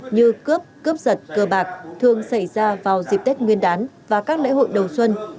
như cướp cướp giật cơ bạc thường xảy ra vào dịp tết nguyên đán và các lễ hội đầu xuân